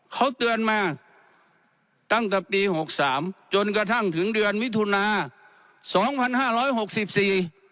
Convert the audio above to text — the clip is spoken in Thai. เขาเตือนมาตั้งแต่ปีหกสามจนกระทั่งถึงเดือนมิถุนาสองพันห้าร้อยหกสิบสี่